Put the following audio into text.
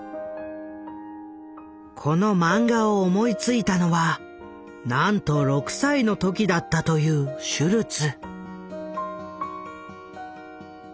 このマンガを思いついたのはなんと６歳の時だったというシュルツ。